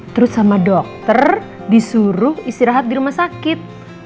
terus sama dokter disuruh istirahat di rumah sakit